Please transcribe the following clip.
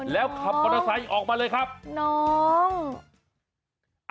แล้วขับมอเตอร์ไซค์ออกมาเลยครับน้อง